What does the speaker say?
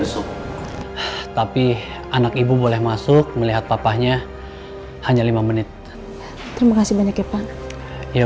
tapi anak ibu boleh masuk melihat papanya hanya lima menit terima kasih banyak ya pak ya